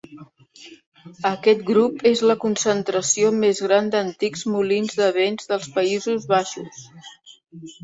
Aquest grup és la concentració més gran d'antics molins de vent dels Països Baixos.